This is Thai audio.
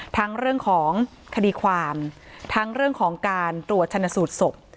ทั้งเรื่องของคดีความทั้งเรื่องของการตรวจชนสูตรศพ